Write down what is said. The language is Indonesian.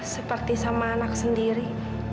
seperti sama anak sendiri